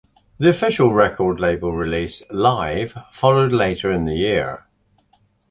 The official record label release, "Live" followed later in the year.